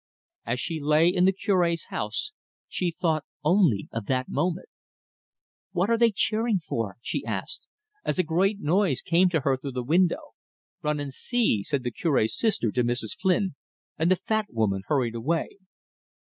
As she lay in the Cure's house, she thought only of that moment. "What are they cheering for?" she asked, as a great noise came to her through the window. "Run and see," said the Cure's sister to Mrs. Flynn, and the fat woman hurried away.